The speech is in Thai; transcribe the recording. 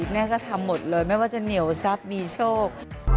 แม่ก็ทำหมดเลยไม่ว่าจะเหนียวทรัพย์มีโชค